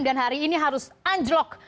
dan hari ini harus anjlok